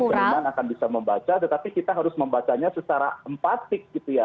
mungkin teman teman akan bisa membaca tetapi kita harus membacanya secara empatik gitu ya